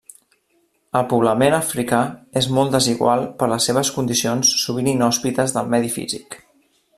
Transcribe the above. El poblament africà és molt desigual per les condicions sovint inhòspites del medi físic.